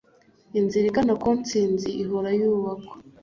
“inzira igana ku ntsinzi ihora yubakwa.”